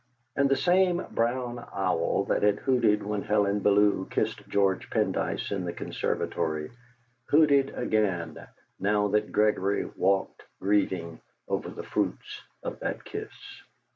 And the same brown owl that had hooted when Helen Bellew kissed George Pendyce in the conservatory hooted again now that Gregory walked grieving over the fruits of that kiss.